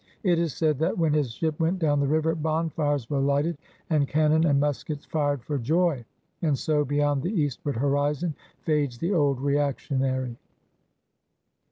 It is said that, when his ship went down the river, bonfires were lighted and cannon and muskets fired for joy. And so beyond the eastward horizon fades the old reactionary.